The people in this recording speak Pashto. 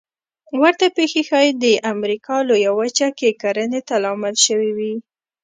ورته پېښې ښایي د امریکا لویه وچه کې کرنې ته لامل شوې وي